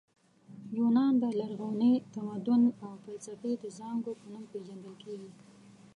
یونان د لرغوني تمدن او فلسفې د زانګو په نوم پېژندل کیږي.